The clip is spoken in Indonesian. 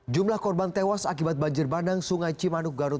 jumlah korban tewas akibat banjir bandang sungai cimanuk garut